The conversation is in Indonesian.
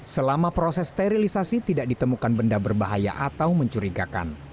selama proses sterilisasi tidak ditemukan benda berbahaya atau mencurigakan